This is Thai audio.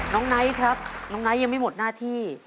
ไนท์ครับน้องไนท์ยังไม่หมดหน้าที่